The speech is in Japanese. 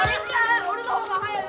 俺の方が早いよ。